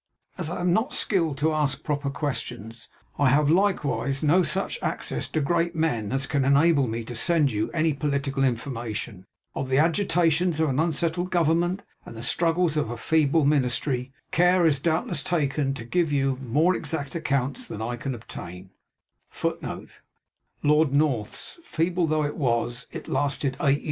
As I have not skill to ask proper questions, I have likewise no such access to great men as can enable me to send you any political information. Of the agitations of an unsettled government, and the struggles of a feeble ministry, care is doubtless taken to give you more exact accounts than I can obtain.